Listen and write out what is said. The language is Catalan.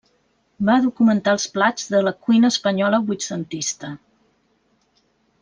Va documentar els plats de la cuina espanyola vuitcentista.